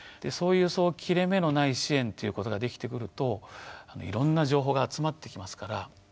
そういう切れ目のない支援ということができてくるといろんな情報が集まってきますから。